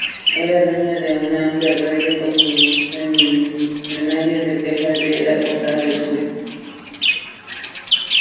Era dueño de una amplia red de concesionarios de Texas a Dakota del Sur.